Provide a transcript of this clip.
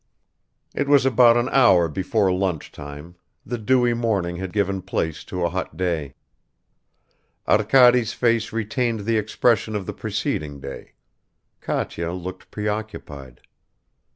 It was about an hour before lunchtime; the dewy morning had given place to a hot day. Arkady's face retained the expression of the preceding day; Katya looked preoccupied.